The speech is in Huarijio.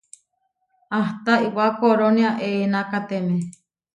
Ahta iʼwá korónia eʼenakatemé.